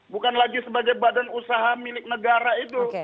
bukan lagi sebagai badan usaha milik negara itu